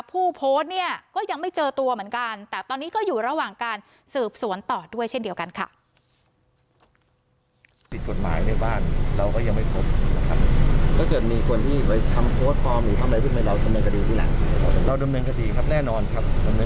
ผู้โพสต์เนี่ยก็ยังไม่เจอตัวเหมือนกันแต่ตอนนี้ก็อยู่ระหว่างการสืบสวนต่อด้วยเช่นเดียวกันค่ะ